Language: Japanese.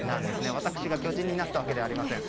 私が巨人になったわけではありません。